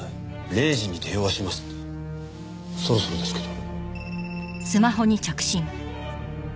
「０時に電話します」ってそろそろですけど。